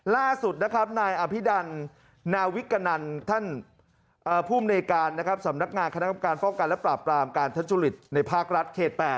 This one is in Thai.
ล่าสุดนะครับนายอภิดันนาวิกกะนันท่านผู้มูลในการสำนักงานคณะคำการฟอกการและปราบกรามการทันชุลิตในภาครัฐเขต๘